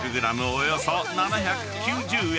およそ７９０円］